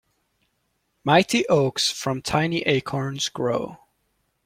Mighty oaks from tiny acorns grow.